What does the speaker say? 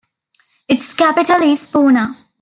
Its capital is Puna.